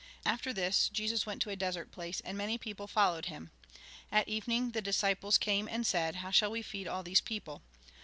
After this, Jesus went to a desert place, and many people followed him. At evening, the disciples came, and said :" How shall we feed all these people